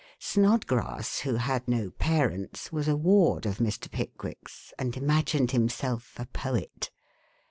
Snodgrass, who had no parents, was a ward of Mr. Pickwick's and imagined himself a poet.